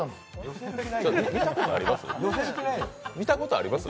それ、見たことあります？